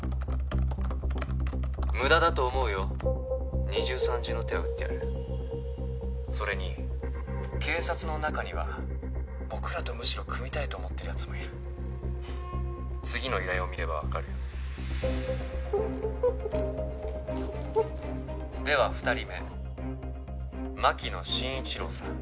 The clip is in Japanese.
無駄だと思うよ二重三重の手は打ってあるそれに警察の中には僕らとむしろ組みたいと思ってるやつもいる次の依頼を見れば分かるよでは２人目牧野真一郎さん